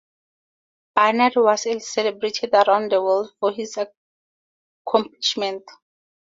Barnard was celebrated around the world for his accomplishment.